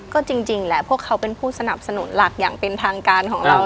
ก็จริงแหละพวกเขาเป็นผู้สนับสนุนหลักอย่างเป็นทางการของเรา